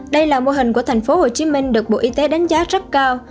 đây là mô hình của tp hcm được bộ y tế đánh giá rất cao